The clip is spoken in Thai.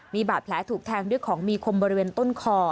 มีบาดแผลถูกแทงด้วยของมีคมบริเวณต้นคอ